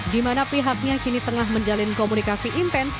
di mana pihaknya kini tengah menjalin komunikasi intens